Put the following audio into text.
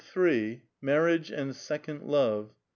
MARRIAGE AND SECOND LOVE.